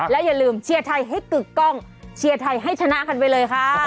และอย่าลืมเชียร์ไทยให้กึกกล้องเชียร์ไทยให้ชนะกันไปเลยค่ะ